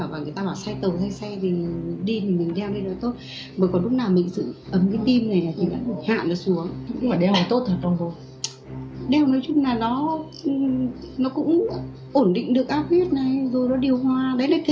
và vòng than hòa tính